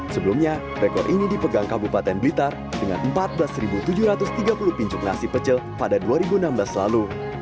sebelumnya rekor ini dipegang kabupaten blitar dengan empat belas tujuh ratus tiga puluh pincuk nasi pecel pada dua ribu enam belas lalu